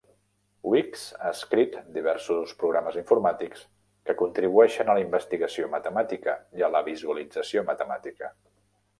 Weeks ha escrit diversos programes informàtics que contribueixen a la investigació matemàtica i a la visualització matemàtica.